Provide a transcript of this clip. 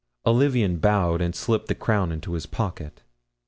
Olivain bowed and slipped the crown into his pocket.